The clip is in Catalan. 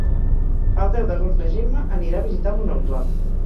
El deu d'agost na Gemma anirà a visitar mon oncle.